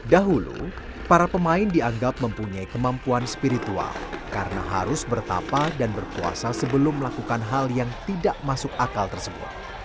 dahulu para pemain dianggap mempunyai kemampuan spiritual karena harus bertapa dan berpuasa sebelum melakukan hal yang tidak masuk akal tersebut